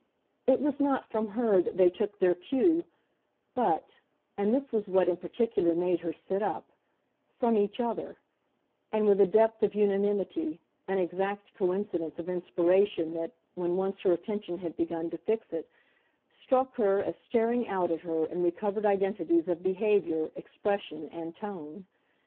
It was not from her that they took their cue, but and this was what in particular made her sit up from each other; and with a depth of unanimity, an exact coincidence of inspiration that, when once her attention had begun to fix it, struck her as staring out at her in recovered identities of behaviour, expression and tone.